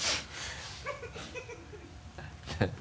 ハハハ